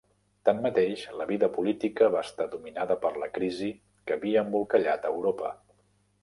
Tanmateix, la vida política va estar dominada per la crisi que havia embolcallat a Europa.